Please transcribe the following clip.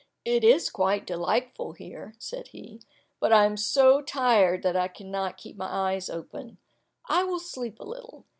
"It is quite delightful here," said he, "but I am so tired that I cannot keep my eyes open; I will sleep a little.